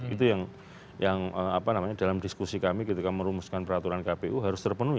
itu yang dalam diskusi kami ketika merumuskan peraturan kpu harus terpenuhi